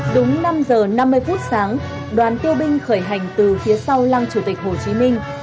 đúng năm giờ năm mươi phút sáng đoàn tiêu binh khởi hành từ phía sau lăng chủ tịch hồ chí minh